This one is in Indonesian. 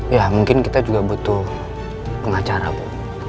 ya mungkin kita juga butuh pengacara bu